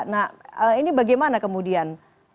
nah ini bagaimana kemudian